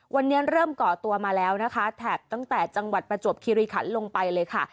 วันนี้เริ่มก่อตัวมาแล้วนะคะแถบตั้งแต่จังหวัดประจวบคิริขันลงไปเลยค่ะ